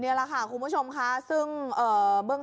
เขาก็ต้องพยายามที่จะออกมาไม่ว่าจะอ่อนแรงแค่ไหน